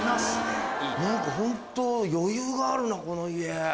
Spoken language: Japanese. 何かホント余裕があるなこの家。